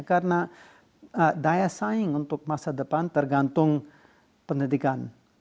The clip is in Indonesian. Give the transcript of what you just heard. karena daya saing untuk masa depan tergantung pendidikan